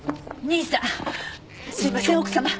すいません奥さま。